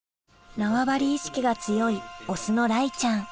縄張意識が強いオスの雷ちゃん